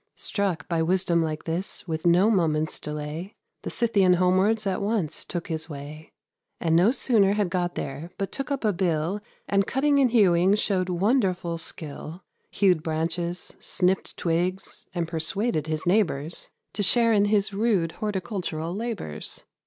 Struck by wisdom like this, with no moments delay, The Scythian homewards at once took his way; And no sooner had got there but took up a bill, And at cutting and hewing showed wonderful skill: Hewed branches, snipped twigs, and persuaded his neighbours To share in his rude horticultural labours.